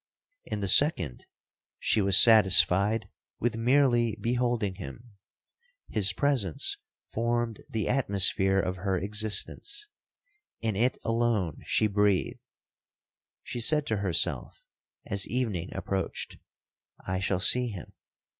'In the second, she was satisfied with merely beholding him. His presence formed the atmosphere of her existence—in it alone she breathed. She said to herself, as evening approached, 'I shall see him!'